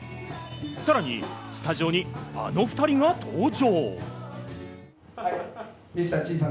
さらにスタジオにあの２人が登場！